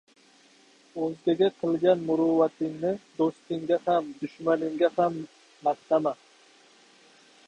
O‘zgaga qilgan muruvvatingni do‘stga ham, dushmanga ham maqtama.